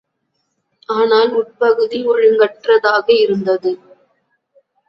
ஆனால், உட்பகுதி ஒழுங்கற்றதாக இருந்தது.